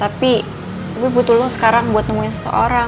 tapi aku butuh lo sekarang buat nemuin seseorang